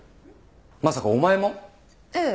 まさかお前も？ええ。